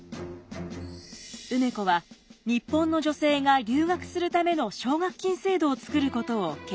梅子は日本の女性が留学するための奨学金制度を作ることを計画します。